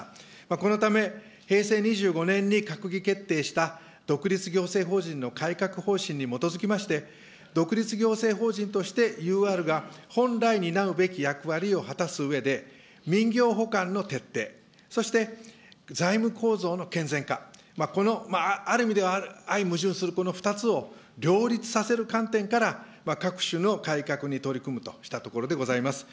このため、平成２５年に閣議決定した独立行政法人の改革方針に基づきまして、独立行政法人としてＵＲが本来担うべき役割を果たすうえで、民業補完の徹底、そして財務構造の健全化、このある意味では、相矛盾するこの２つを両立させる観点から、各種の改革に取り組むとしたところでございます。